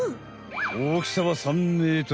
大きさは３ｍほど。